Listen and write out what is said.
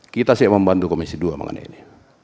kita siap membantu komisi dua mengenai ini